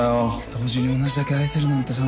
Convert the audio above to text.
同時に同じだけ愛せるなんてさ。